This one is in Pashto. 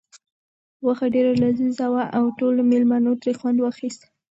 غوښه ډېره لذیذه وه او ټولو مېلمنو ترې خوند واخیست.